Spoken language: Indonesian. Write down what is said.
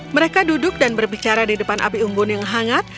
mereka duduk dan berbicara di depan api umbun yang hangat